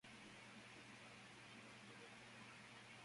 Además es miembro del The Explorers Club.